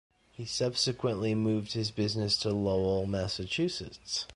He subsequently moved his business to Lowell, Massachusetts.